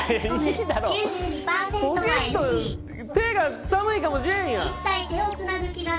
手が寒いかもしれんやん。